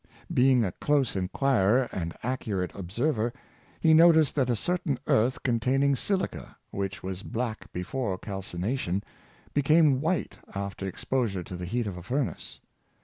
Being a close inquirer and accurate observer, he noticed that a certain earth containing silica, which was black before calcination, became white after exposure to the heat of a furnace.